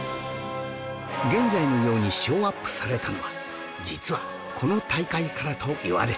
現在のようにショーアップされたのは実はこの大会からといわれているんです